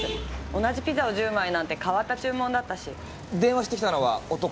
同じピザを１０枚なんて変わった注文だったし電話してきたのは男？